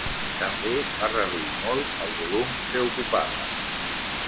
També va reduir molt el volum que ocupava.